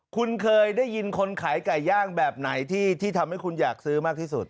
คุณเคยได้ยินคนขายไก่ย่างแบบไหนที่ทำให้คุณอยากซื้อมากที่สุด